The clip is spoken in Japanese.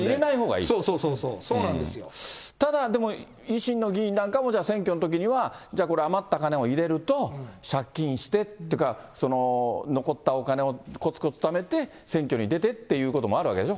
これ、そうそうそうそう、そうなんただでも、維新の議員なんかも、じゃあ、選挙のときには、じゃあこれ余った金を入れると、借金してって、その残ったお金をこつこつためて、選挙に出てっていうこともあるわけでしょ？